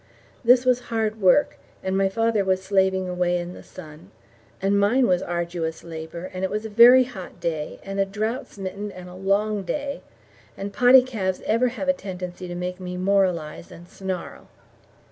This was hard work, and my father was slaving away in the sun, and mine was arduous labour, and it was a very hot day, and a drought smitten and a long day, and poddy calves ever have a tendency to make me moralize and snarl.